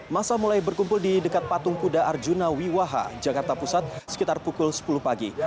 masa mulai berkumpul di dekat patung kuda arjuna wiwaha jakarta pusat sekitar pukul sepuluh pagi